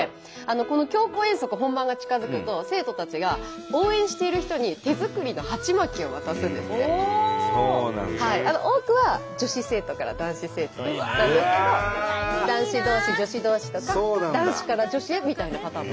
この強行遠足本番が近づくと生徒たちが多くは女子生徒から男子生徒へなんですけど男子同士女子同士とか男子から女子へみたいなパターンも。